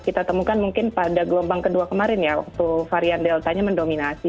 kita temukan mungkin pada gelombang kedua kemarin ya waktu varian deltanya mendominasi